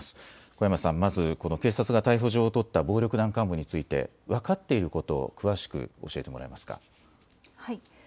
小山さん、まず警察が逮捕状を取った暴力団幹部について分かっていることを教えてください。